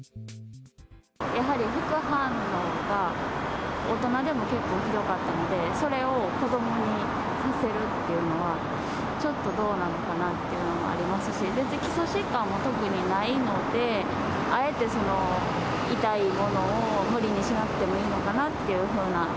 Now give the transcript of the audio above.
やはり副反応が、大人でも結構ひどかったので、それを子どもにさせるっていうのは、ちょっとどうなのかっていうのがありますし、別に基礎疾患も特にないので、あえてその痛いものを無理にしなくてもいいのかなっていうふうな。